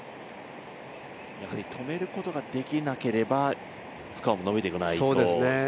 止めることができなければスコアを伸びていかないと。